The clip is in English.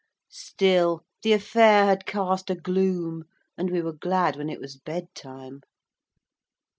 Still the affair had cast a gloom, and we were glad when it was bed time.